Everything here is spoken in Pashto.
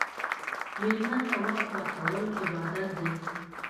مېلمه ته وخت ورکول عبادت دی.